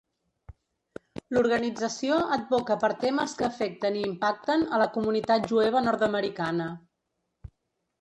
L'organització advoca per temes que afecten i impacten a la comunitat jueva nord-americana.